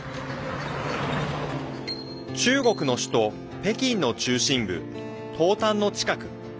中国の首都、北京の中心部東単の近く。